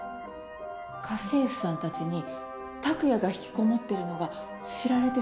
家政婦さんたちに拓也が引きこもっているのが知られてしまって。